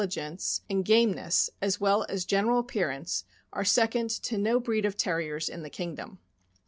gence, and gameness, as well as general appear,: nee, are second to no breed of Terriers in the kingdom.